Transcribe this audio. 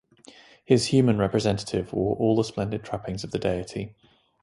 His human representative wore all the splendid trappings of the deity.